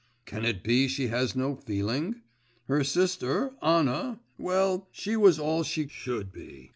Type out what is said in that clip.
Can it be she has no feeling? Her sister, Anna well, she was all she should be.